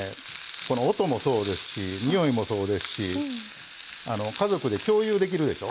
この音もそうですし匂いもそうですし家族で共有できるでしょ。